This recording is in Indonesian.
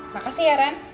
makasih ya ren